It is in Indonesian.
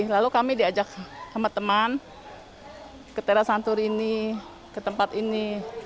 lalu kami diajak sama teman ke teras santur ini ke tempat ini